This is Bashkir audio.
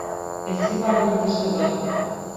Эсе барҙың тышы бар